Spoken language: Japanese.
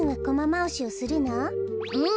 うん。